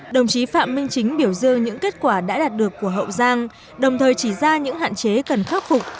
đồng chí phạm minh chính biểu dương những kết quả đã đạt được của hậu giang đồng thời chỉ ra những hạn chế cần khắc phục